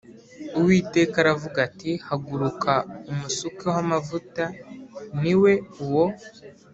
Uwiteka aravuga ati “Haguruka umusukeho amavuta, ni we uwo.”